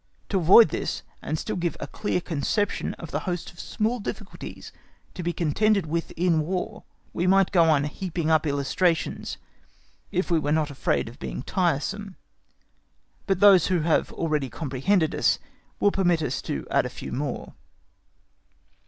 To avoid this, and still to give a clear conception of the host of small difficulties to be contended with in War, we might go on heaping up illustrations, if we were not afraid of being tiresome. But those who have already comprehended us will permit us to add a few more.